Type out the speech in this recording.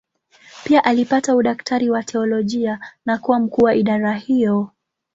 Pia alipata udaktari wa teolojia na kuwa mkuu wa idara hiyo.